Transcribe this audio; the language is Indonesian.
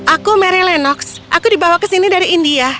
aku mary lenox aku dibawa ke sini dari india